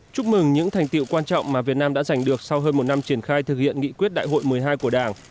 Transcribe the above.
chúc mừng những thành tiệu quan trọng mà việt nam đã giành được sau hơn một năm triển khai thực hiện nghị quyết đại hội một mươi hai của đảng